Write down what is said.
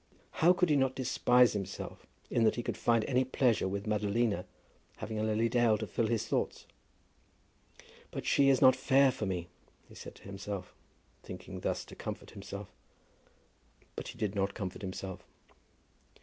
How could he not despise himself in that he could find any pleasure with Madalina, having a Lily Dale to fill his thoughts? "But she is not fair for me," he said to himself, thinking thus to comfort himself. But he did not comfort himself.